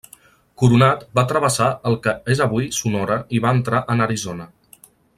Coronat va travessar el que és avui Sonora i va entrar en Arizona.